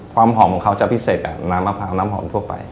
ความหอมของเขาจะพิเศษแบบน้ำมะพร้าวน้ำหอมทั่วไป